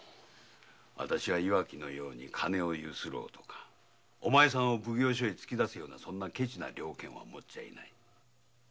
わたしは岩木のように金を強請ろうとかお前を奉行所へ突き出すようなケチな了見は持っちゃいない。